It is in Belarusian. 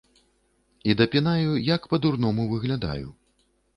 І дапінаю, як па-дурному выглядаю.